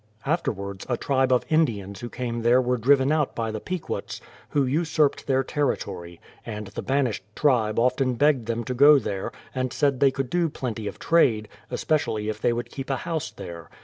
Afterwards, a tribe of Indians who came there were driven out by the Pequots, who usurped their territory; and the banished tribe often begged them to go there, and said they could do plenty of trade, es pecially if they would keep a house there.